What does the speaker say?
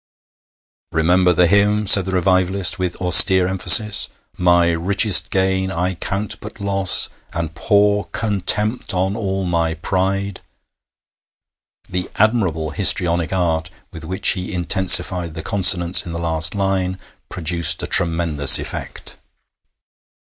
'Remember the hymn,' said the revivalist, with austere emphasis: '"My richest gain I count but loss, And pour contempt on all my pride."' The admirable histrionic art with which he intensified the consonants in the last line produced a tremendous effect.